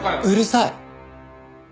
うるさい。